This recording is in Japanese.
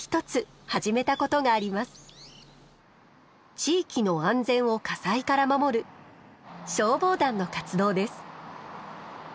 地域の安全を火災から守る消防団の活動です。